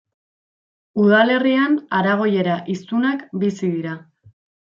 Udalerrian aragoiera hiztunak bizi dira.